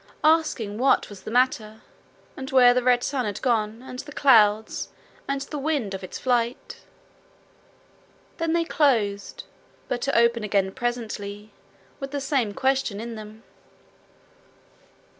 asking what was the matter, and where the red sun had gone, and the clouds, and the wind of its flight. Then they closed, but to open again presently, with the same questions in them.